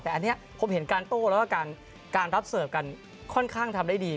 แต่อันนี้ผมเห็นการโต้แล้วก็การรับเสิร์ฟกันค่อนข้างทำได้ดี